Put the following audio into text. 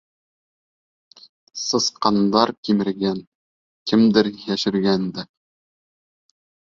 — Сысҡандар кимергән, кемдер йәшергән дә...